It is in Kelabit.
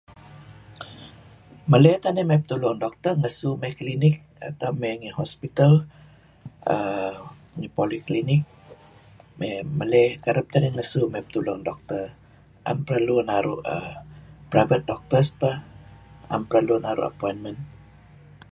mele teh narih petulu ngen doktor ngesu me' klinik atau me' ngi hospital um ngi poliklinik me' mele kereb ngesu petulu ngen doktor am perlu naru um private doktor peh naam perlu naru appointment